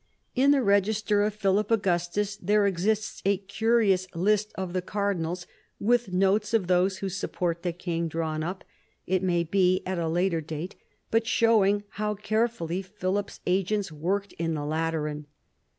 In the register of Philip Augustus there exists a curious list of the cardinals, with notes of those who support the king, drawn up, it may be, at a later date, but showing how carefully Philip's agents worked in the Lateran.